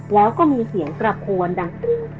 แล้วก็มีเสียงกระโคนดัง